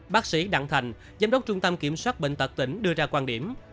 bác sĩ đặng thành giám đốc trung tâm kiểm soát bệnh tật tỉnh đưa ra quan điểm